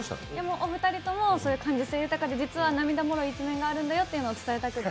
お二人とも感受性豊かで涙もろい一面があるんだよっていうのを伝えたくて。